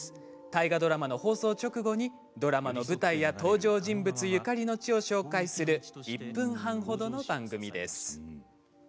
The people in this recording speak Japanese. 大河ドラマの放送直後にドラマの舞台や登場人物ゆかりの地を紹介する１分半程の番組です。